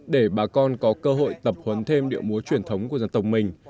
để bà con có cơ hội tập huấn thêm điệu múa truyền thống của dân tộc mình